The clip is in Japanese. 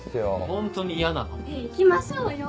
ホントに嫌なの。え行きましょうよ。